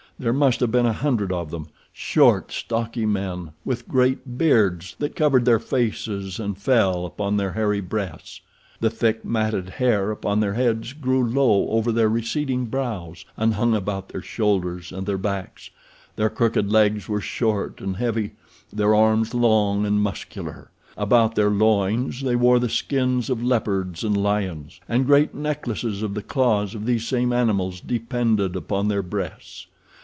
There must have been a hundred of them—short, stocky men, with great beards that covered their faces and fell upon their hairy breasts. The thick, matted hair upon their heads grew low over their receding brows, and hung about their shoulders and their backs. Their crooked legs were short and heavy, their arms long and muscular. About their loins they wore the skins of leopards and lions, and great necklaces of the claws of these same animals depended upon their breasts.